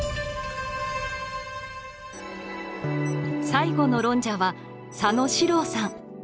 最後の論者は佐野史郎さん。